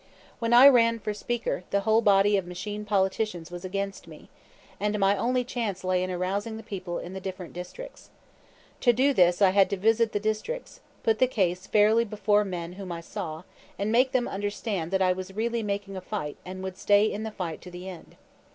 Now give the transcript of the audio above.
When I ran for Speaker, the whole body of machine politicians was against me, and my only chance lay in arousing the people in the different districts. To do this I had to visit the districts, put the case fairly before the men whom I saw, and make them understand that I was really making a fight and would stay in the fight to the end.